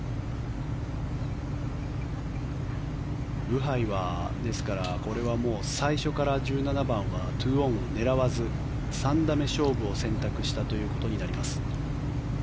ブハイはですから、これは最初から１７番は２オンを狙わず３打目勝負を選択したことになります。